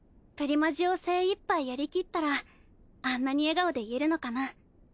プリマジを精いっぱいやり切ったらあんなに笑顔で言えるのかな？